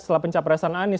setelah pencapresan anies